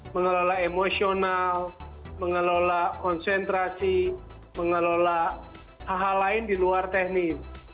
mengelola emosional mengelola konsentrasi mengelola hal hal lain di luar teknis